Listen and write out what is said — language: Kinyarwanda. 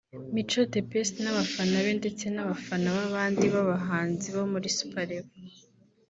Mico The Best n’abafana be ndetse n’abafana b’abandi bahanzi bo muri Super Level